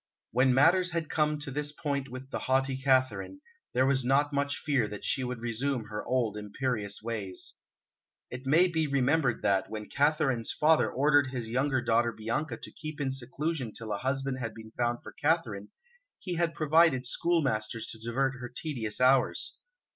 When matters had come to this point with the haughty Katharine, there was not much fear that she would resume her old imperious ways. It may be remembered that, when Katharine's father ordered his younger daughter Bianca to keep in seclusion till a husband had been found for Katharine, he had provided schoolmasters to divert her tedious hours.